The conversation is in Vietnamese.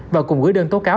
và cùng với đơn tố cao